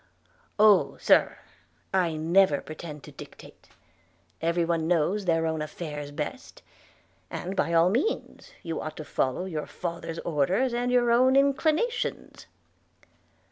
'Oh! Sir, I never pretend to dictate. Every one knows their own affairs best; and by all means you ought to follow your father's orders and your own inclinations.'